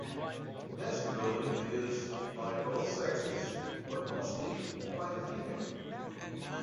Nest building is by both sexes, but mostly by the female.